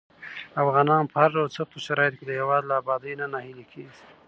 افغانان په هر ډول سختو شرايطو کې د هېواد له ابادۍ نه ناهیلي کېږي.